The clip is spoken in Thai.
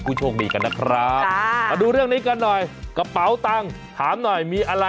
ภรรยาน้อย